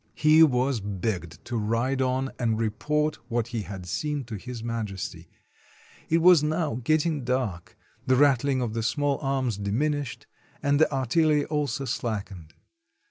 He was begged to ride on and report what he had seen to His Majesty. It was now getting dark, the rattling of the small arms diminished, and the artillery also slack ened.